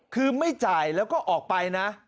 คือไม่จ่ายแล้วก็ออกไปนะ